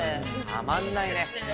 たまんないね。